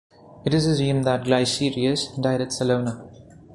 It is assumed that Glycerius died at Salona.